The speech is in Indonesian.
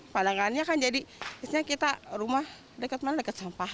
padangannya kan jadi kita rumah dekat mana dekat sampah